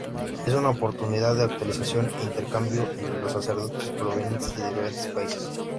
Es una oportunidad de actualización e intercambio entre los sacerdotes provenientes de diferentes países.